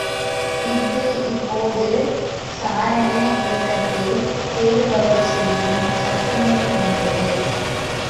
இஃது இப்போது சாரண இயக்கத்தில் சேருபவர் செய்யும் சத்தியம் போன்றது.